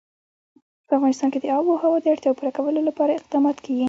په افغانستان کې د آب وهوا د اړتیاوو پوره کولو لپاره اقدامات کېږي.